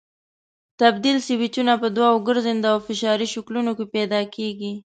تبدیل سویچونه په دوو ګرځنده او فشاري شکلونو کې پیدا کېږي.